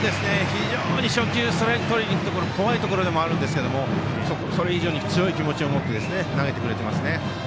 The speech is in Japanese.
初球ストライクとりにいく怖いところでもあるんですけれどもそれ以上に強い気持ちを持って投げていますね。